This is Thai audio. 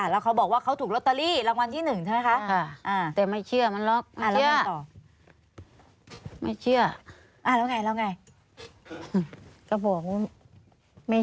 แล้วเขาบอกว่าเขาถูกลอตเตอรี่รางวัลที่๑ใช่ไหมคะ